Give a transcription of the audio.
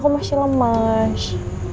aku masih lemas